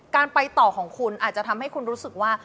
การไปต่อของคุณอาจจะทำให้คุณรู้สึกว่า